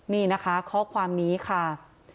นี่นะคะข้อความนี้ค่ะ